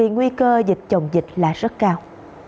nguy cơ dịch chồng dịch là rất cao